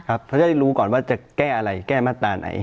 ครับเพราะจะรู้ก่อนว่าจะแก้อะไรแก้มาตราไหน